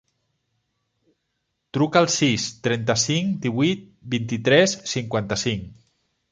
Truca al sis, trenta-cinc, divuit, vint-i-tres, cinquanta-cinc.